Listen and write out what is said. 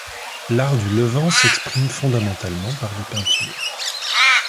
L'art du levant s'exprime fondamentalement par des peintures.